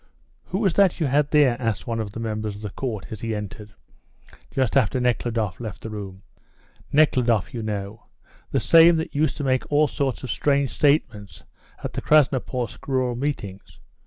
"Who was that you had here?" asked one of the members of the Court, as he entered, just after Nekhludoff left the room. "Nekhludoff, you know; the same that used to make all sorts of strange statements at the Krasnoporsk rural meetings.